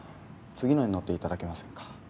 次のに乗っていただけませんか？